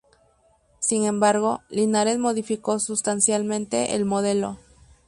Sin embargo, Linares modificó sustancialmente el modelo.